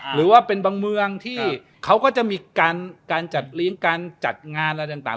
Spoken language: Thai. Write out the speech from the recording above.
หรือว่าเป็นบางเมืองที่เขาก็จะมีการจัดเลี้ยงการจัดงานอะไรต่าง